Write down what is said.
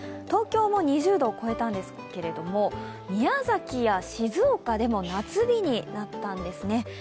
東京も２０度を超えたんですけれども、宮崎や静岡でも夏日になったんですね。